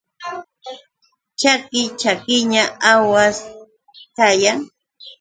Chaki chakiña awas kayan.